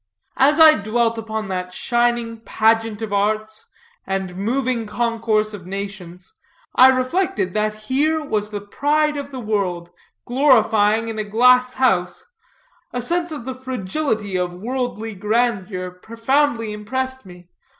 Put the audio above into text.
As I dwelt upon that shining pageant of arts, and moving concourse of nations, and reflected that here was the pride of the world glorying in a glass house, a sense of the fragility of worldly grandeur profoundly impressed me.